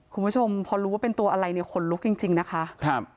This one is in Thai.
คุณผู้ชมพอรู้ว่าเป็นตัวอะไรเนี่ยขนลุกจริงจริงนะคะครับ